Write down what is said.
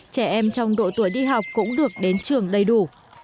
trẻ em trong độ tuổi đi học cũng được đến trường đầy đủ